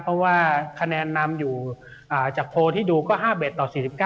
เพราะว่าคะแนนนำอยู่จากโพลที่ดูก็๕๑ต่อ๔๙